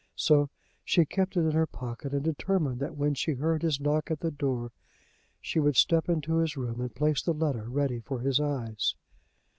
So she kept it in her pocket, and determined that when she heard his knock at the door she would step into his room, and place the letter ready for his eyes.